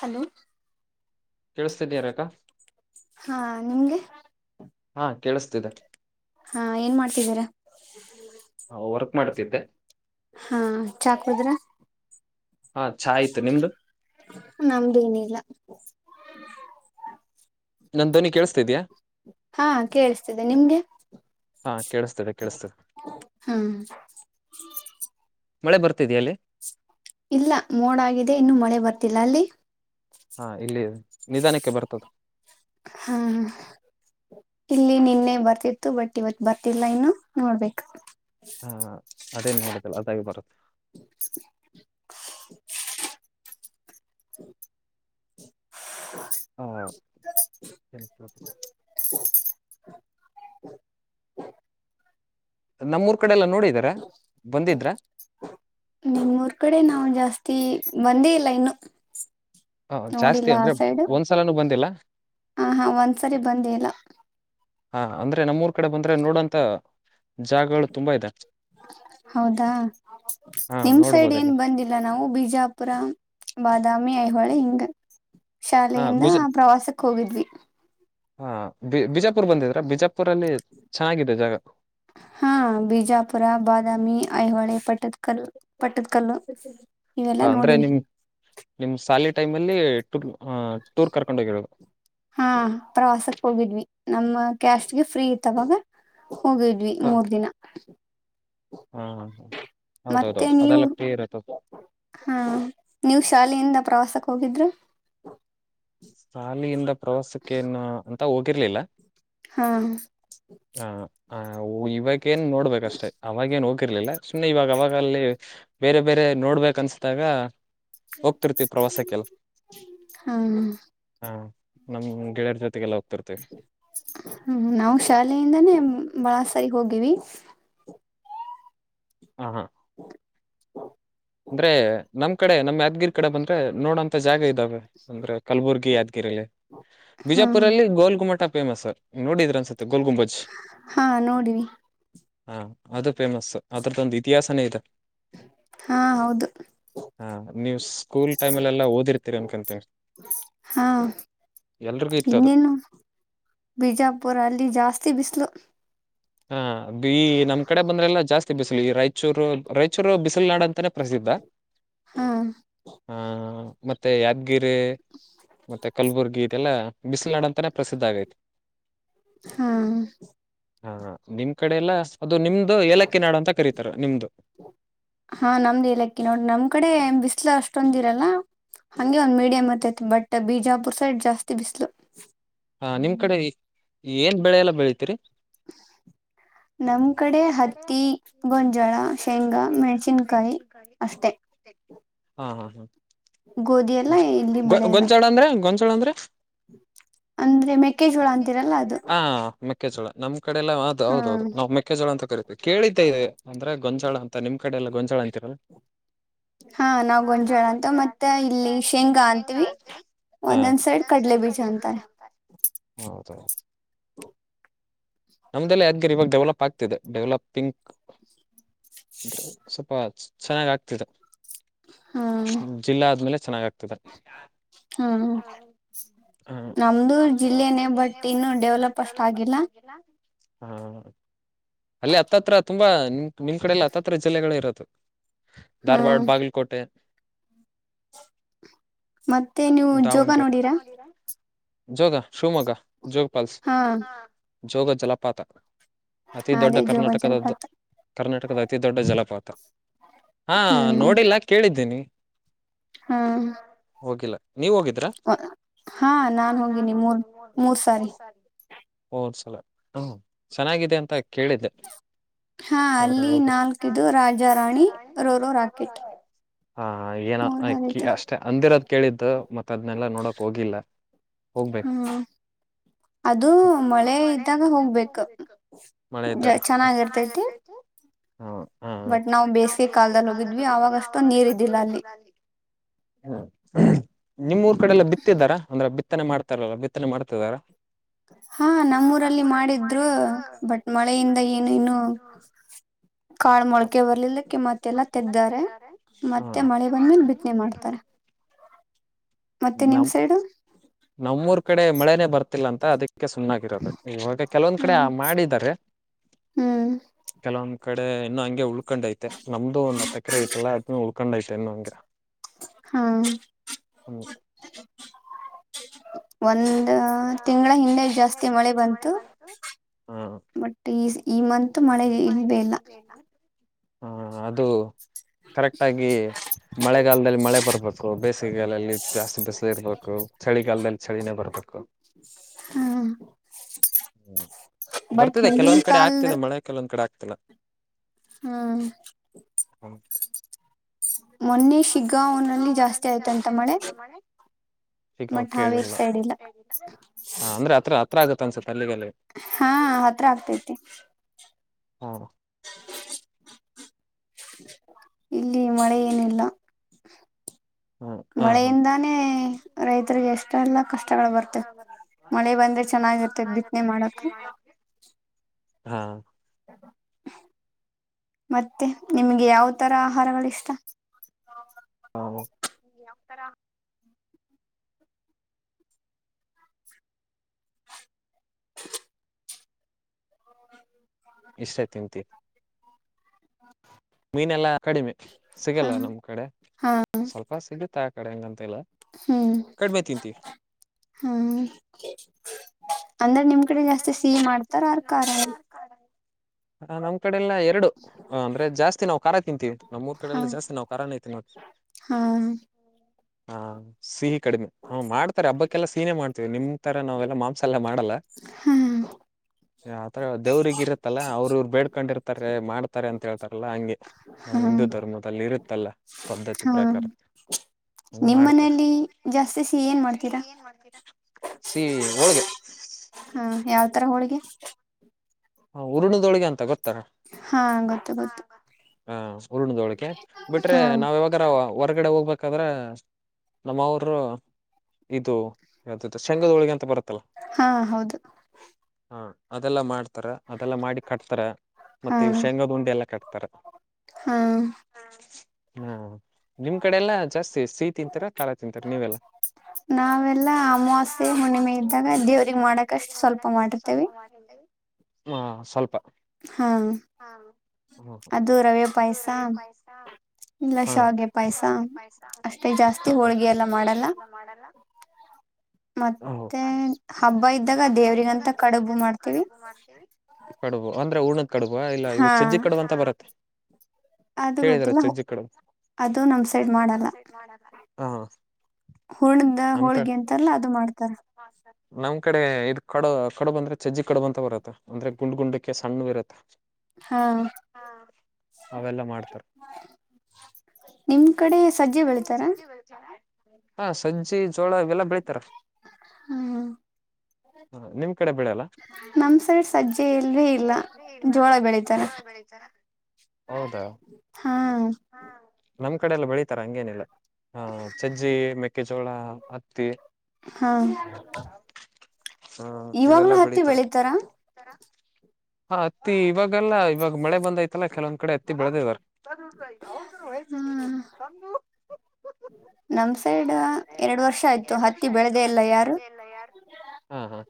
Hello ಕೇಳಿಸ್ತಿದೀಯ ರೇಖಾ? ಹಾ ನಿಮ್ಗೆ ಹಾ ಹಾ ಏನ್ ಮಾಡ್ತಿದೀರ ಹಾ ಚಾ ಕುಡಿದ್ರಾ? ನಮ್ದುನಿಲ್ಲ. [inaudible] ಹಾ ಕೇಳಿಸ್ತಿದೆ ನಿಮ್ಗೆ ಹ್ಮ ಮಳೆ ಬರ್ತಿದಿಯಾ ಅಲ್ಲಿ ಇಲ್ಲ ಮೋಡಾಗಿದೆ ಇನ್ನು ಮಳೆ ಬರ್ತಿಲ್ಲ ಅಲ್ಲಿ. ಹಾ ಇಲ್ಲಿ ನಿಧಾನಕ್ಕೆ ಬರ್ತದ್ ಹಾ ಇಲ್ಲಿ ನಿನ್ನೆ ಬರ್ತಿತ್ತು ಬಟ್ ಇವತ್ ಬರ್ತಿಲ್ಲ ಇನ್ನು ನೋಡ್ಬೇಕು. ಹಾ ಅದೇನ್ ನೋಡುದಿಲ್ಲ ಅದಾಗಿ ಬರುತ್ತೆ. [inaudible] ಹಾ [unintelligible] [inaudible] ನಮ್ಮೂರ್ ಕಡೆ ಎಲ್ಲಾ ನಿಮ್ಮೂರ ಕಡೆ ನಾವ್ ಜಾಸ್ತಿ ಬಂದೇ ಇಲ್ಲ ಇನ್ನು. ಹ ಜಾಸ್ತಿ ಅಂದ್ರೆ ಒಂದ್ಸಲಾನೂ ಬಂದಿಲ್ಲ. ಆ ಹಾ ಒಂದ್ಸರಿ ಬಂದೇ ಇಲ್ಲ. ಹಾ ಅಂದ್ರೆ ನಮ್ಮೂರ್ ಕಡೆ ಬಂದ್ರೆ ನೋಡಂತ ಜಾಗಗಳು ತುಂಬಾ ಇದೆ. ಹೌದಾ ನಿಮ್ ಸೈಡ್ ಏನ್ ಬಂದಿಲ್ಲ ನಾವು ಬಿಜಾಪುರ ಬಾದಾಮ್ ಮಿ ಐಹೊಳೆ ಹಿಂಗ ಶಾಲೆಯಿಂದ ಪ್ರವಾಸಕ್ ಹೋಗಿದ್ವಿ. ಹಾ ಬಿ ಬಿಜಾ ಪುರ್ ಬಂದಿದ್ರ ಬಿಜಾಪುರಲ್ಲಿ ಚೆನ್ನಾಗಿದೆ ಜಾಗ. ಹಾ ಬಿಜಾಪುರ ಬಾದಾಮಿ ಐಹೊಳೆ ಪಟ್ಟದ್ ಕಲ್ಲು ಪಟ್ಟದ ಕಲ್ಲು ಇವೆಲ್ಲಾ ನೋಡಿವಿ. ಟೈಮಲ್ಲಿ ಟುರ್ ಹಾ ಪ್ರವಾಸಕ್ ಹೋಗಿದ್ವಿ ನಮ್ಮ ಕ್ಯಾಸ್ಟ್ ಗೆ ಫ್ರೀ ಇತ್ ಅವಾಗ ಹೋಗಿದ್ವಿ ಮೂರ್ ದಿನ ಮತ್ತೆ ನೀವು ಹಾ ನೀವು ಶಾಲೆಯಿಂದ ಪ್ರವಾಸಕ್ ಹೋಗಿದ್ರ? ಸಾಲಿಯಿಂದ ಪ್ರವಾಸಕ್ಕೇನು ತ ಹೋಗಿರ್ಲಿಲ್ಲ. ಹಾ ಹ ಅವ್ ಇವಾಗೇನ್ ನೋಡ್ಬೇಕಷ್ಟೆ ಅವಾಗೇನ್ ಹೋಕಿರ್ಲಿಲ್ಲ. ಸುಮ್ಮನೆ ಇವಾಗ ಅವಾಗಲ್ಲಿ ಬೇರೆ ಬೇರೆ ನೋಡ್ಬೇಕ ಅನ್ಸ್ದಾಗ ಹ ಹ್ಮ ನಾವು ಶಾಲ್ ಲೇ ಯಿಂದಾನೇ ಬಳ ಸರಿ ಹೋಗಿವಿ. ಹ ಹಾ ಕ್ ಅಂದ್ರೆ ನಮ್ ಕಡೆ ನಮ್ಮ್ ಯಾದಗಿರಿ ಕಡೆ ಬಂದ್ರೆ ನೋಡೋಂತ ಜಾಗ ಇದ್ ದಾವೆ ಅಂದ್ರೆ ಕಲಬುರ್ಗಿ ಯಾದ್ಗಿರಿಲ್ಲಿ ಬಿಜಾಪುರಲ್ಲಿ ಗೋಲ್ ಗುಮಟ ಫೇಮಸರ್ ನೋಡಿದ್ರ ಅನ್ಸು ಹಾ ನೋಡಿವಿ. ಹಾ ಅದು ಫೇಮಸ್ಸು ಅದ್ರದ್ದೊಂದು ಇತಿಹಾಸನೇ ಇದೆ. ಹೌದು ಹಾ ಇನ್ನೇನು ಬಿಜಾಪುರ ಅಲ್ಲಿ ಜಾಸ್ತಿ ಬಿಸ್ಲು. ಹಾ ಬಿ ಈ ನಮ್ ಕಡೆ ಬಂದ್ರೆಲ್ಲ ಜಾಸ್ತಿ ಬಿಸಿಲು ಈ ರಾಯಚೂರು ರಾಯಚೂರು ಬಿಸಿಲು ನಾಡು ಅಂತಾನೇ ಪ್ರಸಿದ್ಧ. ಹ್ಮ ಮತ್ತೆ ಯಾದ್ ಗಿರೆ ಮತ್ತೆ ಕಲ್ಬುರ್ಗಿ ಇದೆಲ್ಲ ಮಿಲ್ಲ್ನಾಡ್ ಅಂತಾನೆ ಪ್ರಸಿದ್ಧ ಆಗೈತ್. ಹಾ ನಿಮ್ ಕಡೆ ಎಲ್ಲಾ ಸ್ ಹಾ ನಮ್ದ ಇಲಕ್ಕಿ ನಾಡ್ ನಮ್ ಕಡೆ ಬಿಸ್ಲ ಅಷ್ ಅಷ್ಟೊಂದಿರಲ್ಲ ಹಂಗೆ ಒಂದ್ ಮೀಡಿಯಂ ಅತ್ತೈತಿ ಬಟ್ ಬಿಜಾಪುರ್ ಸೈಡ್ ಜಾಸ್ತಿ ಬಿಸ್ಲು. ಹಾ ನಿಮ್ ಕಡೆ ಏನ್ ಬೆಳೆ ಎಲ್ಲ ಬೆಳಿತಿರಿ. ನಮ್ ಕಡೆ ಹತ್ತಿ ಗೊಂಜೋಳ ಶೇಂಗಾ ಮೆಣ್ಸಿನ್ಕಾಯಿ ಅಷ್ಟೆ. ಗೊ ಗೊಂಚಾಳ್ ಅಂದ್ರೆ ಗೊಂಚಾಳ್ ಅಂದ್ರೆ. ಹಾ ಮೆಕ್ಕೆಜೋಳ ನಮ್ ಕಡೆ ಎಲ್ಲ ಅ ಹೌದೌದು ನಾವ್ ಮೆಕ್ಕೆಜೋಳ. ಳ ಅಂತ ಕರೀತೀವ್. ಕೇಳಿತ ಇದೆ ಅದ್ರಗ್ ಗೊಂಚಾಳ ಅಂತ ನಿಮ್ ಕಡೆ ಎಲ್ಲ ಗೊಂಜಾಳ ಅಂತೀರಲ್ಲ. ಹಾ ನಾವ್ ಗಂಜೋಳ ಅಂತ ಮತ್ತೆ ಇಲ್ಲಿ ಶೇಂಗಾ ಅಂತೀವಿ ಒಂದೊಂದ್ ಸೈಡ್ ಕಡ್ಲೆ ಬೀಜ ಅಂತಾರ. ಹೌದೌದು. ನಮ್ದೆಲ್ಲ ಯಾದ್ಗಿರ್ ಇವಗ್ ಡೆವಲಪ್ ಆಗ್ತಿದೆ ಡೆವಲಪಿಂಗ್. ಅಂದ್ರ್ ಸೂಪಚ್. ಚೆನ್ನಾಗ್ ಆಗ್ತಿದೆ. ಹ್ಮ್ ಜಿಲ್ಲಾ ಆದ್ಮೇಲೆ ಚೆನ್ನಾಗ್ ಆಗ್ತದ. ಹ್ಮ ನಮ್ದು ಜಿಲ್ಲೆನೇ ಬಟ್ ಇನ್ನು ಡೆವಲಪರ್ಸ್ ಆಗಿಲ್ಲ. ಹಾ ಅಲ್ಲೆ ಹತ್ತತ್ರ ತುಂಬಾ ನಿಮ್ ನಿಮ್ ಕಡೆಲ್ಲ ಹತ್ತತ್ರ ಜಿಲ್ಲೆಗಳೆ ಇರುತ್ ತಕ್. ಧಾರ್ವಾಡ್ ಬಾಗಲ್ಕೋಟೆ. ಮತ್ತೆ ನೀವು ಜೋಗ ನೋಡೀರಾ. ಜೋಗ ಶಿವ್ಮ್ಮೋಗ. ಜೋಗ್ ಪಲ್ಸ್. ಜೋಗ ಜಲಪ್ ಪತ. ಅತಿ ದೊಡ್ಡ ಕರ್ನಾಟಕದದ್ ಕರ್ನಾಟಕದ ಅತಿ ದೊಡ್ಡ ಜಲಪ. ತ್ತ. ಹಾ ನೋಡಿಲ್ಲ ಕೇಳಿದ್ದೀನಿ. ಹಾಂ ಓ ಹಾಂ ನಾನ್ ಹೋಗಿನಿ ಮೂರ್ ಮೂರ್ ಸಾರಿ. ಹೋದ ಸಲ [unintelligible] ಚೆನ್ನಾಗಿದೆ ಅಂತಾಯ್ ಕೇಳಿದ್ದೆ ಆದ್ರೆ ಹೋಗಿರ್ ಆ ಆ ಏನೋ ಅ ಕಿ ಅಷ್ಟೆ ಅಂದಿರದ ಕೇಳಿದು ಮತ್ತದ್ನೆಲ್ಲ ನೋಡಕ್ ಹೋಗಿಲ್ಲ ಹೋಗ್ಬೇಕು. ಮಳೆ ಇದ್ದಾಗ ಹ್ಮ್ ಹ್ಮ್ ಹ್ಮ್ ಹ್ಮ್ ನಿಮ್ಮೂರ್ ಕಡೆಲ್ಲ ಬಿತ್ತಿದ್ದಾರ ಅಂದ್ರ ಬಿ ತ್ತನೆ ಮಾಡ್ತಾರಲ್ಲ ಬಿತ್ತನೆ ಮಾಡ್ತಿದಾರ? ಹಾ ನಮ್ಮೂರಲ್ಲಿ ಮಾಡಿದ್ ದ್ರು ಬಟ್ ಮಳೆಯಿಂದ ಏನು ಇನ್ನು ಕಾಳ್ ಮೊಳಕೆ ಬರ್ಲಿಲ್ಲಕ್ಕೆ ಮತ್ತೆಲ್ಲ ತೆಗ್ದಾರೆ ಮತ್ತೆ ಮಳೆ ಬಂದ್ಮೇಲ್ ಬಿತ್ತನೆ ಮಾಡ್ತಾರೆ. ನಮ ನಮ್ಮೂರ್ ಕಡೆ ಮಳೆನೆ ಬರ್ತಿಲ್ಲ ಅಂತ ಅದಕ್ ಕ್ಕೆ ಸುಮ್ನಾಗಿರೋದು ಇವಗೆ ಕೆಲವೊಂದ್ ಕಡೆ ಆ ಮಾಡಿದ್ದಾರೆ ಕೆಲವೊಂದ್ ಕಡೆ ಇನ್ನು ಹಂಗೆ ಉಳ್ಕೊಂಡ್ ಐತೆ ನಮ್ದು ಒಂದ್ ಹತ್ತ್ ಏಕರೆ ಐತೆಲ್ಲ ಅದ ಉಳ್ಕೊಂಡ್ ಐತೆ ಇನ್ನು ಹಂಗೆ ಹಾ [inaudible] ಒಂದ ತಿಂಗಳ ಹಿಂದೆ ಜಾಸ್ತಿ ಮಳೆ ಬಂತು ಬಟ್ ಈಸ್ ಈ ಮಂತ್ ಮಳೆ ಇಲ್ವೆ ಇಲ್ಲ. ಹಾ ಅದು ಕರೆಕ್ಟ್ ಆಗಿ ಮಳೆಗಾಲದಲ್ಲಿ ಮಳೆ ಬರ್ಬೇಕು ಬೇಸಿಗೆಗಾಲದಲ್ಲಿ ಜಾಸ್ತಿ ಬಿಸಿಲು ಇರ್ಬೇಕು ಚಳಿಗಾಲದಲ್ಲಿ ಚಳಿನೇ ಬರ್ಬೇ ಹಾ ಹ್ಮ ಬರ್ತಿದೆ ಕೆಲವೊಂದ್ ಕಡೆ ಆಗ್ತಿದೆ ಮಳೆ ಕೆಲವೊಂದ್ ಕಡೆ ಆಗ್ ತಿಲ್ಲ ಹಾಂ [unintelligible] ಶಿಗ್ಗಾಂವ್ ಕೇಳಿಲ್ಲ ಆ ಅಂದ್ರೆ ಹತ್ರಾತ್ ಹತ್ರ ಆಗುತ್ ಅನ್ಸು ಹಾಂ ಹತ್ರ ಆಗ್ತೈತಿ. ಹಾಂ ಇಲ್ಲಿ ಮಳೆ ಏನಿಲ್ಲ. ಮಳೆಯಿಂದಾನೇ ರೈತರಿಗೆಷ್ಟೆಲ್ಲ ಕಷ್ಟಗಳು ಬರ್ತೆ ಮಳೆ ಬಂದ್ರೆ ಚೆನ್ನಾಗಿರ್ತದ್ ಬಿತ್ತನೆ ಮಾಡಕ. ಹಾಂ ಮತ್ತೆ ನಿಮ್ಗೆ ಯಾವ ತರ ಆಹಾರಗಳಿಷ್ಟ? [unintelligible] ಇಷ್ಟ ತಿಂತೀನ್. ಮೀನೆಲ್ಲಾ ಕಡಿಮೆ, ಸಿಗಲ್ಲ ನಮ್ ಕಡೆ, ಸ್ವಲ್ಪ ಸಿಗುತ್ತಾ ಕಡೆಂಗ ಹ್ಮ್ ಹಾಂ ಅಂದ್ರೆ ನಿಮ್ ಕಡೆ ಜಾಸ್ತಿ ಸಿಹಿ ಮಾಡ್ತಾರ ಆರ್ ಕಾರಲ್ ಹಾ ನಮ್ ಕಡೆ ಎಲ್ಲ ಎರಡು ಅಂದ್ರೆ ಜಾಸ್ತಿ ನಾವು ಖಾರ ತಿಂತೀವಿ ನಮ್ಮೂರ್ ಕಡೆಲ್ಲ ಜಾಸ್ತಿ ನಾವು ಖಾರನೇ ತಿನ್ನೋದ್ ಹ ಸಿಹಿ ಕಡಿಮೆ ಹ ಮಾಡ್ತಾರೆ ಹಬ್ಬಕ್ಕೆಲ್ಲ ಸೀಹಿನೆ ಮಾಡ್ತೀವಿ ನಿಮ್ ತರ ನಾವೆಲ್ ಮಾಂಸ ಎಲ್ಲ ಮಾಡಲ್ಲ. ಹ್ಮ ಆತರ ದೇವ್ರಿಗ್ ಇರುತ್ತಲ್ಲಾ ಅವ್ರು ಬೇಡ್ಕೊಂಡಿರ್ತಾರೆ ಮಾಡ್ತಾರೆ ಅಂತ ಹೇಳ್ತಾರಲ್ಲ ಹಂಗೆ ನಮ್ ಹಿಂದೂ ಧರ್ಮದಲ್ಲಿ ಇರುತ್ತಲ್ಲ ಪದ್ಧತಿ ಪ್ರಕಾರ ನಿಮ್ಮ್ ಮನೇಲಿ ಜಾಸ್ತಿ ಸಿಹಿ ಏನ್ ಮಾಡ್ತೀರಾ? ಸಿಹಿ ಹೋಳಿಗೆ ಹಾ ಯಾವ್ತರ ಹೋಳಿಗೆ? ಹ ಹೂರ್ಣದೊಳಗೆ ಅಂತ ಗೊತ್ ಹಾ ಗೊತ್ತು ಗೊತ್ತು ಹಾ ಹೂರ್ಣದೊಳಿಗೆ ಬಿಟ್ರೆ ನಾವ್ ಯಾವಾಗರ ಹೊರಗಡೆ ಹೋಗ್ಬೇಕಾದ್ರೆ ನಮ್ಮವರು ಇದು ಎಂತದು ಶೇಂಗದ ಹೋಳಗೆ ಅಂತ ಬರುತ್ತಲ್ಲ ಹಾ ಅದೆಲ್ಲಾ ಮಾಡ್ತಾರೆ. ಅದೆಲ್ಲ ಮಾಡಿ ಕಟ್ತಾರ ಮತ್ತೆ ಇವ್ ಶೇಂಗಾದ್ ಉಂಡೆ ಎಲ್ಲ ಕಟ್ತಾರ. ಹಾ ನಿಮ್ ಕಡೆ ಎಲ್ಲಾ ಜಾಸ್ತಿ ಸಿಹಿ ತಿಂತರ ಕಾಳ ತಿಂತರ ನೀವೆಲ್ಲ [unintelligible] ಹ್ ಆ ಸ್ವಲ್ಪ ಹಾ ಅದು ರವೆ ಪಾಯ್ಸ ಇಲ್ಲ ಶಾವಿಗೆ ಪಾಯ್ಸ ಅಷ್ಟೇ ಜಾಸ್ತಿ ಹೋಳ್ಗೆ ಎಲ್ಲ ಮಾಡಲ್ಲ. ಮತ್ತೆ ಹಬ್ಬ ಇದ್ದಾಗ ದೇವ್ರಿಗಂತ ಕಡುಬು ಮಾಡ್ತೀವಿ. ಕಡುಬು ಅಂದ್ರೆ ಉ ಕಡುಬ ಇಲ್ಲ ಇವ್ ಚಜ್ಜಿ ಕಡುಬು ಅಂತ ಬರತ್ತೆ. ಅದು ಗೊತ್ತಿಲ್ಲ ಹೊ ಅದು ನಮ್ ಸೈಡ್ ಮಾಡಲ್ಲ. ಆಹಾ ಹೂರ್ಣದ ಹೋಳಿಗೆ ಅಂತಾರಲ ಅದು ಮಾಡ್ತಾರ. ನಮ್ ಕಡೆ ಇ ಕಡು ಕಡುಬ ಅಂದ್ರೆ ಚಜ್ಜಿ ಕಡು ಬಂತ ಬರುತ್ತೆ ಅಂದ್ರೆ ಗುಂಡ್ ಗುಂಡಕ್ಕೆ ಸಣ್ಣ ಇರುತ್ತೆ. ಅವೆಲ್ಲ ಮಾಡ್ತಾರ. ಹಾ ಸಜ್ಜಿ ಜೋಳ ಇವೆಲ್ಲ ಬೆಳಿತಾರ. ಹ್ಮ ನಮ ಸೈಡ್ ಸಜ್ಜೆ ಇಲ್ವೇ ಇಲ್ಲ ಜೋಳ ಬೆಳಿತಾರ ಹಾ ನಮ್ ಕಡೆ ಎಲ್ಲ ಬೆಳಿತಾರ ಹಂಗೇನಿಲ್ಲ ಹ ಸಜ್ಜಿ ಮೆಕ್ಕೆಜೋಳ ಹತ್ತಿ ಹಾ ಇವಾಗ್ಲೂ ಹತ್ತಿ ಬೆಳಿತಾರ. ಹ ಅತ್ತಿ ಇವಗಲ್ಲ ಇ ಇವ ಮಳೆ ಬಂದತಲ್ಲ ಕೆಲವೊಂದು ಕಡೆ ತ್ತಿ ಬೆಳೆದಿದಾರ್. ಹ್ಮ್ ಹ್ಮ್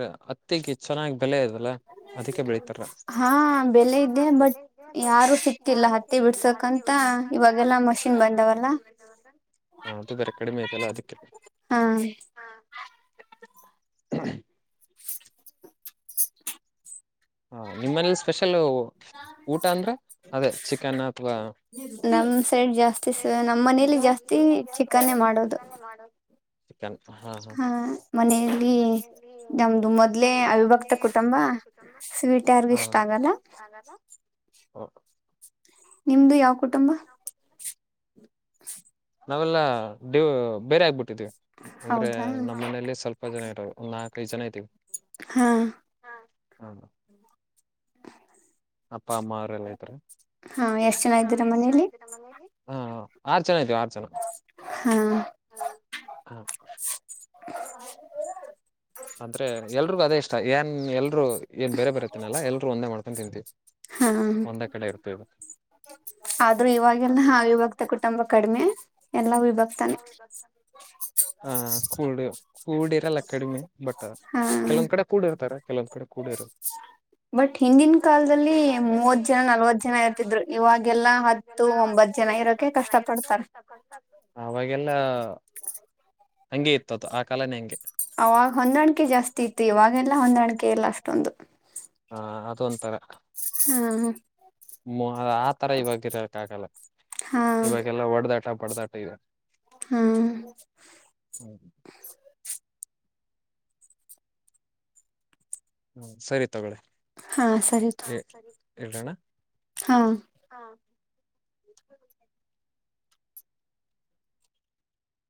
ರೆ ಹ ತ್ತಿಗಿ ಚೆನ್ನಾಗ್ ಬೆಲೆ ಇರ್ದಲ್ಲ ಅದಿಕ್ಕೆ ಬೆಳಿತಾರ. ಹ ಅದು ಬೇರೆ ಕಡಿಮೆ ಐತಲ್ಲ ಅದುಕ್ಕೆ. [inaudible] [inaudible] ಹಾ ನಿಮ್ಮನೇಲ್ ಸ್ಪೆಷಲ್ಲು ನಮ್ ಸೈಡ್ ಜಾಸ್ತಿ ಸ್ ನಮ್ಮ್ ಮನೇಲಿ ಜಾಸ್ತಿ ಚಿಕನ್ನೇ ಮಾಡೋದು ಚಿಕನ್ ಹಾ ಹಾ ಮನೆಯಲ್ಲಿ ನಮ್ದು ಮೊದ್ಲೆ ಅವಿಭಕ್ತ ಕುಟುಂಬ. ಸ್ವೀಟ್ ಯಾರ್ಗು ಇಷ್ಟ ಆಗಲ್ಲ. ಓಹ್ ನಿಮ್ದು ಯಾವ್ ಕುಟುಂಬ? ನಾವೆಲ್ಲ ಡಿವ್ ಬೇರೆ ಆಗ್ಬಿಟ್ ಟ್ಟಿದಿವಿ ಅಂದ್ರೆ ನಮ್ಮ್ ಮನೇಯಲ್ಲಿ ಸ್ವಲ್ಪ ಜನ ಇರರು ಒಂದ್ ನಾಲ್ಕೈದು ಜನ ಇದ್ದೀವಿ. ಹ [inaudible] ಅಪ್ಪ ಅಮ್ಮ ಅವ್ರೆಲ್ಲ ಇದಾರೆ. ಹಾ ಆ ಆರ್ ಜನ ಇದೀವ್ ಆರ್ ಜನ ಹ [unintelligible] ಅಂದ್ರೆ ಎಲ್ರಿಗೂ ಅದೇ ಇಷ್ಟ ಏನ್ ಎಲ್ರೂ ಹಾ ಕುಡಿಯ್ ಏನ್ ಬೇರೆ ಬೇರೆ ತಿನಲ್ಲ ಎಲ್ರು ಒಂದೇ ಮಾಡ್ಕೊಂಡ್ ತಿಂತೀವಿ ಒಂದೇ ಕಡೆ ಇರ್ತಿವಲ್ ಹಾ [unintelligible] ಕೂಡಿ ಇರಲ್ಲ ಕಡಿಮೆ ಬಟ್ ಕೆಲವೊಂದ್ ಕಡೆ ಕೂಡ ಇರ್ತಾರ ಕೆಲವೊಂದ್ ಕೂಡ್ ಇರ ಅವಾಗೆಲ್ಲ ಹಂಗೆ ಇತ್ತದು ಆ ಕಾಲನೇ ಹಂಗೆ ಅವಾಗ ಹೊಂದಾಣಿಕೆ ಜಾಸ್ತಿ ಇತ್ತು ಇವಾಗೆಲ್ಲ ಹೊಂದಾಣಿಕೆ ಇಲ್ಲ ಅಷ್ಟೊಂದು. ತೊಂತರ ಹಾ ಹ ಮೋ ಆದ್ ಆ ತರ ಇವಾಗ ಇರಕ್ ಆಗಲ್ಲ ಇವಾಗೆಲ್ಲ ಹೊಡೆದಾಡ್ ದಾ ಪಡದಾಟ ಇದೆ. ಹ್ಮ್ ಹ್ಮ್ ಸರಿ ತಗೊಳ್ಳಿ ಹಾ ಸರಿ ತೊ ಇಡಣ ಹಾ [inaudible]